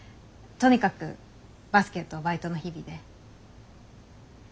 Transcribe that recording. とにかくバスケとバイトの日々で。